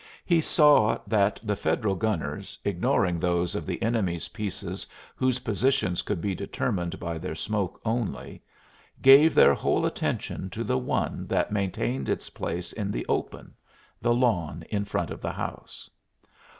He saw that the Federal gunners, ignoring those of the enemy's pieces whose positions could be determined by their smoke only, gave their whole attention to the one that maintained its place in the open the lawn in front of the house.